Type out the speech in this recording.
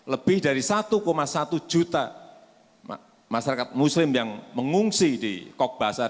lebih dari satu satu juta masyarakat muslim yang mengungsi di kokbasa